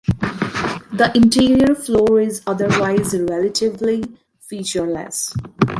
The interior floor is otherwise relatively featureless.